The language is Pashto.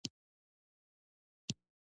ایا ستاسو ورزش دوامدار دی؟